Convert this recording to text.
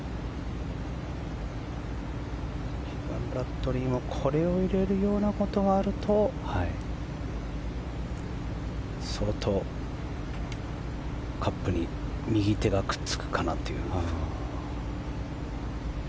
キーガン・ブラッドリーもこれを入れるようなことがあると相当、カップに右手がくっつくかなという。